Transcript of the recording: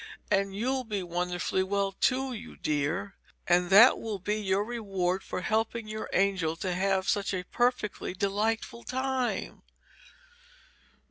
And you'll be wonderfully well too, you dear; and that will be your reward for helping your angel to have such a perfectly delightful time."